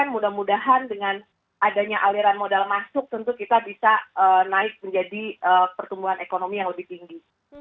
mudah mudahan dengan adanya aliran modal masuk tentu kita bisa naik menjadi pertumbuhan ekonomi yang lebih tinggi